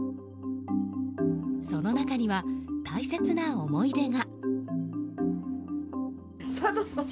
その中には、大切な思い出が。